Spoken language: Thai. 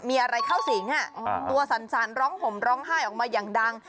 มีอะไรเข้าสิงตัวสั่นร้องห่มร้องไห้ออกมาอย่างดัง